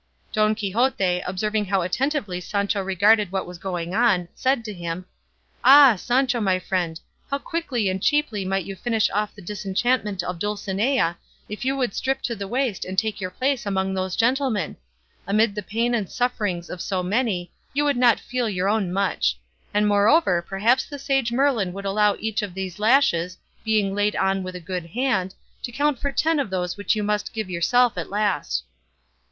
Don Quixote, observing how attentively Sancho regarded what was going on, said to him, "Ah, Sancho my friend, how quickly and cheaply might you finish off the disenchantment of Dulcinea, if you would strip to the waist and take your place among those gentlemen! Amid the pain and sufferings of so many you would not feel your own much; and moreover perhaps the sage Merlin would allow each of these lashes, being laid on with a good hand, to count for ten of those which you must give yourself at last."